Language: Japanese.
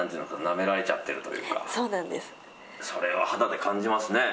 それは肌で感じますね。